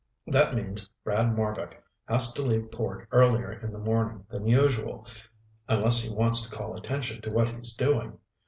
That means Brad Marbek has to leave port earlier in the morning than usual, unless he wants to call attention to what he's doing.